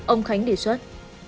ông khánh đề xuất